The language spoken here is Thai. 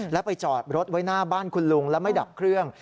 แล้วไปจอดรถไว้หน้าบ้านคุณลุงแล้วไม่ดับเครื่อง